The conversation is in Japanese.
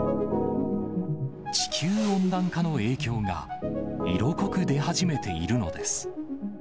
地球温暖化の影響が、色濃く出始めているのです。